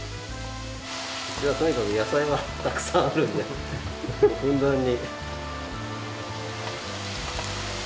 とにかく野菜はたくさんあるんでふんだんに。